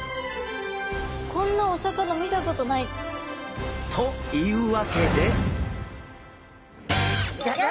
こんなお魚見たことない。というわけで！